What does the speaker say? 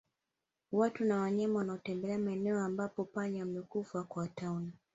Watu na wanyama wanaotembelea maeneo ambapo panya wamekufa kwa tauni